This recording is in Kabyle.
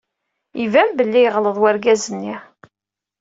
Iban belli yeɣleḍ wergaz-nni.